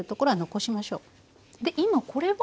で今これは？